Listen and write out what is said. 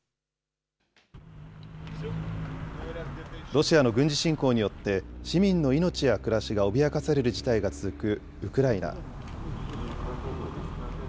ロシアの軍事侵攻によって、市民の命や暮らしが脅かされる事態が続くウクライナ。